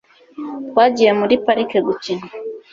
twagiye muri parike gukina